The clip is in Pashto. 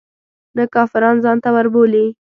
نه کافران ځانته وربولي.